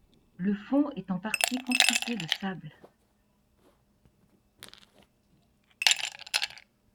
Le fond est en partie constitué de sable.